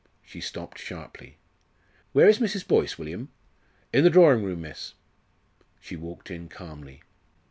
She stopped sharply. "Where is Mrs. Boyce, William?" "In the drawing room, miss." She walked in calmly.